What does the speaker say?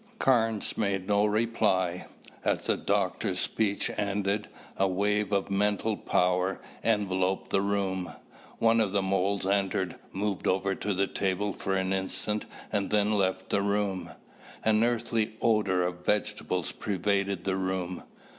Carnes made no reply. As the doctor's speech ended, a wave of mental power enveloped the room. One of the moles entered, moved over to the table for an instant and then left the room. An earthly odor of vegetables pervaded the room.